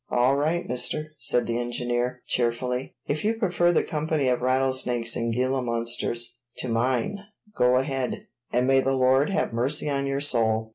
"All right, mister," said the engineer cheerfully. "If you prefer the company of rattlesnakes and Gila monsters to mine, go ahead and may the Lord have mercy on your soul!"